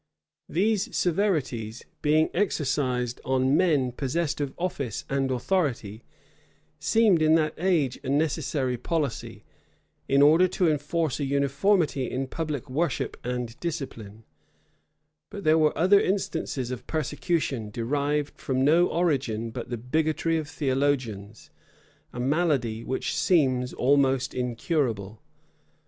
These severities, being exercised on men possessed of office and authority, seemed in that age a necessary policy, in order to enforce a uniformity in public worship and discipline; but there were other instances of persecution, derived from no origin but the bigotry of theologians; a malady which seems almost incurable.